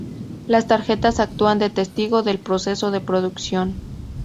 Las tarjetas actúan de testigo del proceso de producción.